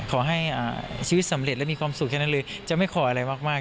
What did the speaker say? ขอให้ชีวิตสำเร็จและมีความสุขแค่นั้นเลยจะไม่ขออะไรมาก